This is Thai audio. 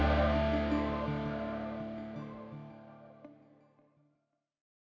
ก็พูดว่าวันนี้มีคนจะมาวางยานักมัวให้ระวังดีนะครับ